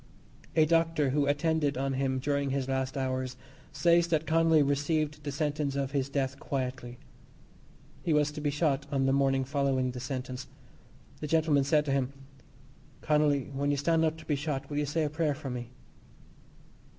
A doctor who attended on him during his last hours says that Connolly received the sentence of his death quietly. He was to be shot on the morning following the sentence. This gentleman said to him: "Connolly, when you stand up to be shot, will you say a prayer for me?"